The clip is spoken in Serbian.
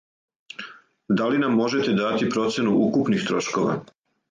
Да ли нам можете дати процену укупних трошкова?